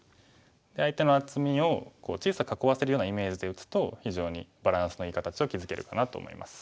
相手の厚みを小さく囲わせるようなイメージで打つと非常にバランスのいい形を築けるかなと思います。